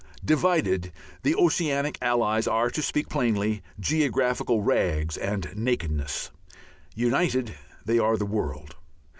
Divided the Oceanic Allies are, to speak plainly, geographical rags and nakedness; united they are a world.